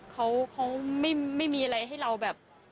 เขาไม่มีอะไรให้เราแบบ